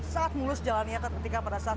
saat mulus jalannya ketika pada saat